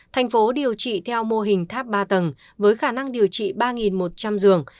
thành phố điều trị theo mô hình tháp ba tầng với khả năng điều trị ba một trăm linh giường